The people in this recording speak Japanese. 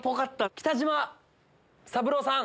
北島３郎さん。